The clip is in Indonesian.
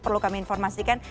perlu kami informasikan